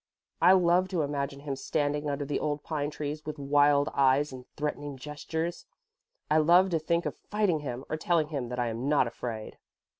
I love to imagine him standing under the old pine trees with wild eyes and threatening gestures. I love to think of fighting him, or telling him that I am not afraid."